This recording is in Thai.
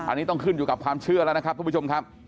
อันนี้ต้องขึ้นอยู่กับความเชื่อแล้วนะครับทุกผู้ชมครับ